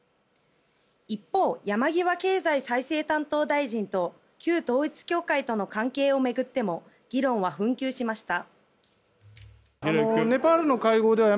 一方、山際経済再生担当大臣と旧統一教会との関係を巡っても議論は紛糾しました。